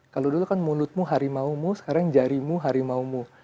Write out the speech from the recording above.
kalau dulu kan mulutmu harimaumu sekarang jarimu harimaumu